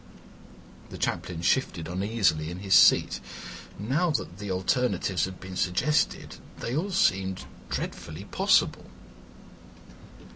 The Chaplain shifted uneasily in his seat. Now that the alternatives had been suggested they all seemed dreadfully possible.